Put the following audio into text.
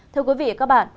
thưa quý vị và các bạn